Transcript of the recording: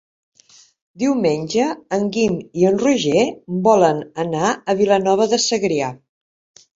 Diumenge en Guim i en Roger volen anar a Vilanova de Segrià.